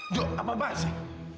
dok apaan sih